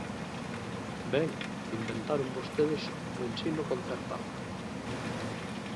Ben, inventaron vostedes o ensino concertado.